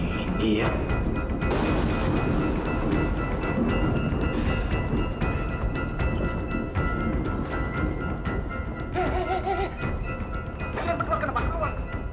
kalian berdua kenapa keluar